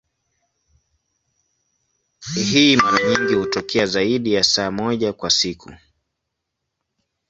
Hii mara nyingi hutokea zaidi ya saa moja kwa siku.